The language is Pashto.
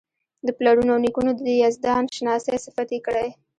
د پلرونو او نیکونو د یزدان شناسۍ صفت یې کړی.